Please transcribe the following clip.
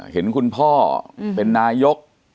เห็นคุณพ่อเป็นนายก